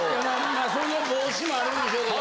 まあその防止もあるんでしょうけど。